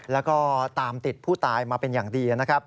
และตามติดผู้ตายมาเป็นอย่างดี